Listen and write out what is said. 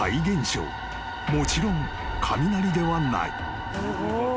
［もちろん雷ではない］